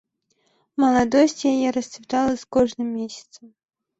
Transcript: Маладосць яе расцвітала з кожным месяцам.